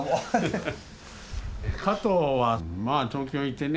加藤はまあ東京いてね